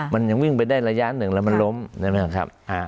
มันยังวิ่งไปได้ระยะหนึ่งแล้วมันล้มใช่ไหมครับ